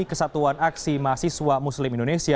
kesatuan aksi mahasiswa muslim indonesia